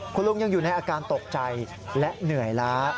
คุณลุงยังอยู่ในอาการตกใจและเหนื่อยล้า